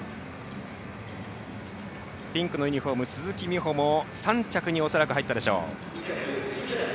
ピンクのユニフォーム鈴木美帆も３着に恐らく入ったでしょう。